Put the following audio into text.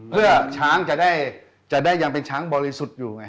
เพื่อช้างจะได้ยังเป็นช้างบริสุทธิ์อยู่ไง